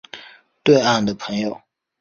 对岸的朋友